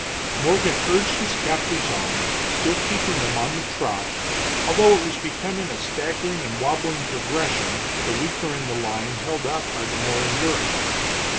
Morgan urged his captives on, still keeping them on the trot, although it was becoming a staggering and wabbling progression, the weaker in the line held up by the more enduring.